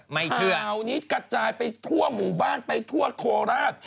คราวนี้กระจายไปทั่วหมู่บ้านไปทั่วโคราช